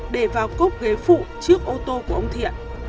để vào cốp ghế phụ trước ô tô của ông thiện